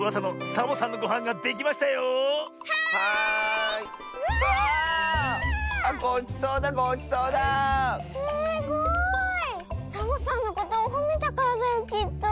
サボさんのことをほめたからだよきっと。